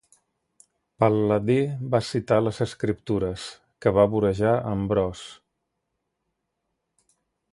Pal·ladi va citar les Escriptures, que va vorejar Ambròs.